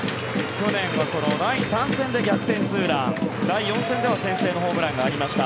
去年は第３戦で逆転ツーラン第４戦では先制のホームランがありました。